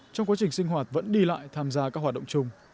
trong quá trình sinh hoạt vẫn đi lại tham gia các hoạt động chung